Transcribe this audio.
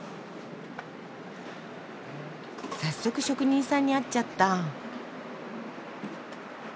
早速職人さんに会っちゃった。